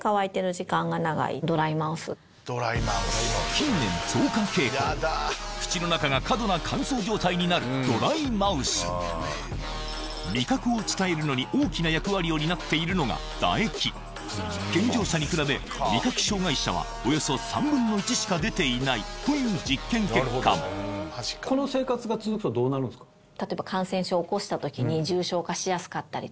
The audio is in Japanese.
近年増加傾向口の中が過度な乾燥状態になる味覚を伝えるのに大きな役割を担っているのが唾液健常者に比べ味覚障害者はおよそ３分の１しか出ていないという実験結果も堤先生が選んだ昆布にはうま味の代表格